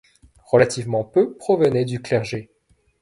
Relativement peu provenaient du clergé.